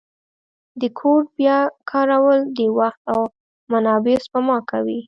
د کوډ بیا کارول د وخت او منابعو سپما کوي.